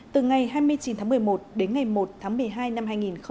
từ ngày hai mươi chín tháng một mươi một đến ngày một tháng một mươi hai năm hai nghìn hai mươi